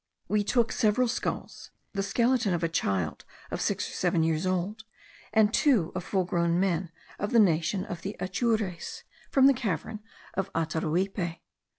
We took several skulls, the skeleton of a child of six or seven years old, and two of full grown men of the nation of the Atures, from the cavern of Ataruipe.